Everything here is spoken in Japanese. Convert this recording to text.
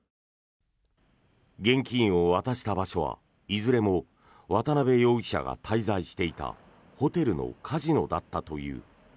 現金を渡した場所はいずれも渡邉容疑者が滞在していたホテルのカジノだったという。